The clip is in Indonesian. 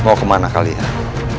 mau kemana kalian